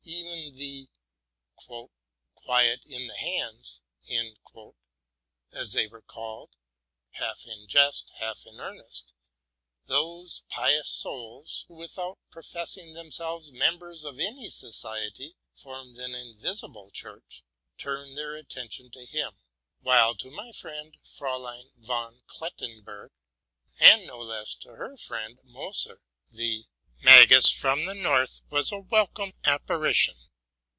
Even the '* Quiet in the lands,'' as they were called, — half in jest, half in ear nest, — those pious souls, who, without professing themselves members of any society, formed an invisible church, —turned their attention to him; while to my friend Fraulein von Klettenberg, and no less to her friend Moser, the '* Magus from the North'' was a welcome apparition.